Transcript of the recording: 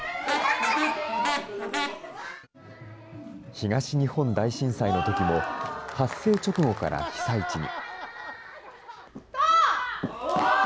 東日本大震災のときも、発生直後から被災地に。